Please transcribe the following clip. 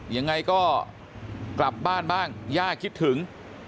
ยังไงก็กลับบ้านบ้างย่าคิดถึง